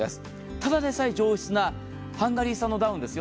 ただでさえ上質なハンガリー産ダウンですよ。